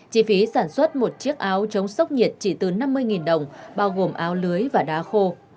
chi phí sản xuất một chiếc áo chống sốc nhiệt chỉ từ năm mươi đồng bao gồm áo lưới và đá khô